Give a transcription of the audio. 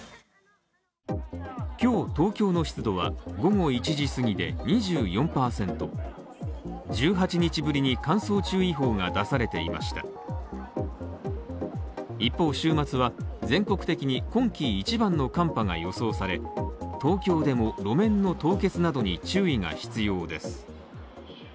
今日、東京の湿度は午後１時過ぎで２４％、１８日ぶりに乾燥注意報が出されていました一方週末は全国的に今季一番の寒波が予想され東京でも路面の凍結などに注意が必要です。